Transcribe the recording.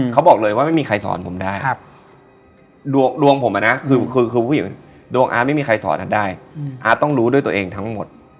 เขาบอกเลยว่าไม่มีใครสอนผมได้ดวงอาร์ตไม่มีใครสอนอะได้อาร์ตต้องรู้ด้วยตัวเองทั้งหมด